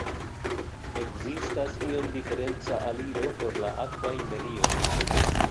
Ekzistas iom diferenca aliro por la akvaj medioj.